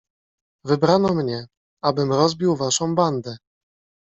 "Wybrano mnie, abym rozbił waszą bandę."